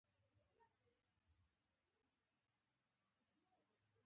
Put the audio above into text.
په ټولنیزو رسنیو کې د پښتو ژبې پیاوړتیا مهمه ده.